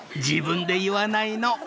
［自分で言わないの！］